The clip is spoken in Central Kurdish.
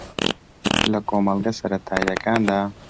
لە کۆمەڵگە سەرەتایییەکاندا